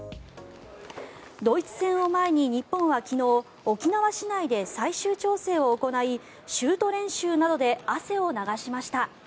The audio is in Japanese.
ドイツ戦を前に日本は昨日沖縄市内で最終調整を行いシュート練習などで汗を流しました。